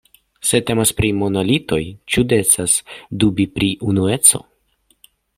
Se temas pri monolitoj, ĉu decas dubi pri unueco?